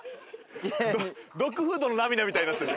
ドッグフードの涙みたいになってる。